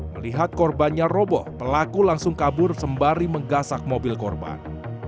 melihat korbannya roboh pelaku langsung kabur sembari menggasak mobil korban